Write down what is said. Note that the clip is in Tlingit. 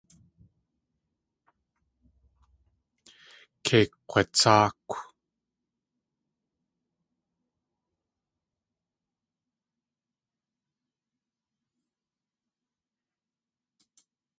Kei kg̲watsáakw.